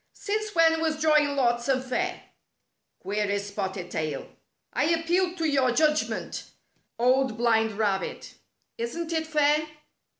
"Since when was drawing lots unfair?" queried Spotted Tail. " I appeal to your judg ment, Old Blind Rabbit. Isn't it fair?"